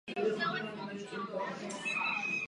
Velký vliv na umělce měla návštěva Benátek.